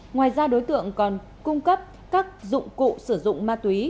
ngoài ra đối tượng còn cung cấp các dụng cụ sử dụng ma túy